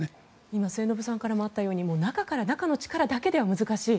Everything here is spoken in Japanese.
今、末延さんからもあったように中の力だけでは難しい。